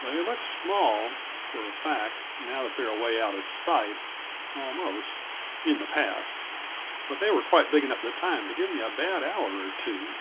They look small, for a fact, now that they're away out of sight, almost, in the past; but they were quite big enough at the time to give me a bad hour or two.